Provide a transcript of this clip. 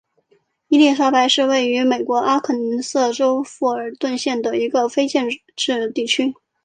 伊莉莎白是位于美国阿肯色州富尔顿县的一个非建制地区。